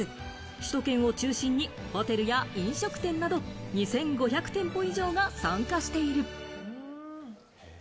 首都圏を中心にホテルや飲食店など、２５００店舗以上が参加している。